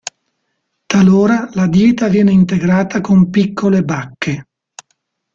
Talora la dieta viene integrata con piccole bacche.